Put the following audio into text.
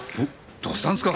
どうしたんすか？